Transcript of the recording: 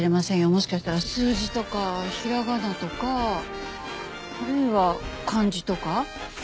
もしかしたら数字とかひらがなとかあるいは漢字とか？